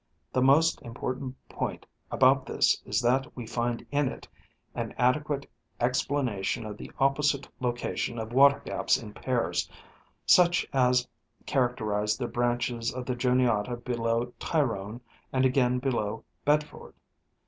The most important point about this is that we find in it an adequate explanation of the opposite location of water gaps in pairs, such ais characterize the branches of the Juniata below Tyrone and again below Bedford.